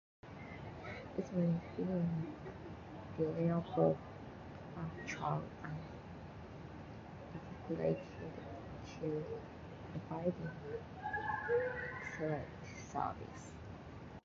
This means being reliable, punctual, and dedicated to providing excellent service.